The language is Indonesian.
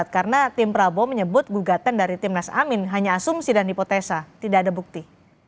karena tim prabowo menyebut gugatan dari tim nas amin hanya asumsi dan hipotesa tidak ada bukti